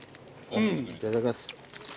いただきます。